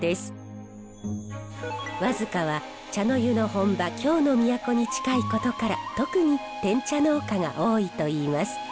和束は茶の湯の本場京の都に近いことから特にてん茶農家が多いといいます。